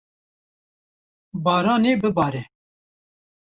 Baran ê bibare.